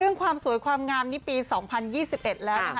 ความสวยความงามนี่ปี๒๐๒๑แล้วนะคะ